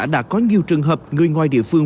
đã có nhiều trường hợp người ngoài địa phương